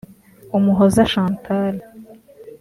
Umuhoza Chantal